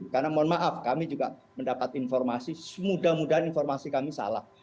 karena mohon maaf kami juga mendapat informasi semudah mudahan informasi kami salah